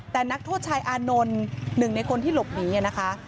แต่นักโทษชายอานนท์หนึ่งในคนที่หลบหนีนะคะ